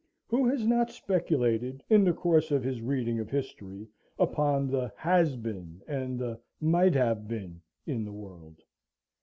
Who has not speculated, in the course of his reading of history, upon the "Has been" and the "Might have been" in the world?